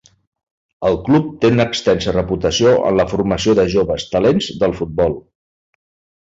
El club té una extensa reputació en la formació de joves talents del futbol.